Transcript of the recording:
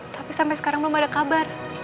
tapi sampai sekarang belum ada kabar